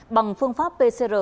bằng phương pháp pcr